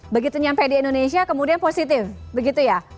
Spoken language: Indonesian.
begitu nyampe di indonesia kemudian positif begitu ya